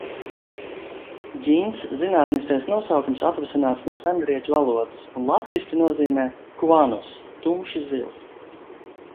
"Ģints zinātniskais nosaukums atvasināts no sengrieķu valodas un latviski nozīmē: "kuanos" – tumši zils."